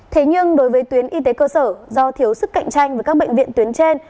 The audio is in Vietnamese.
thế nhưng đối với tuyến y tế cơ sở do thiếu sức cạnh tranh với các bệnh viện tuyến trên